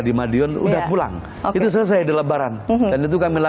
ditutup sama anak pertama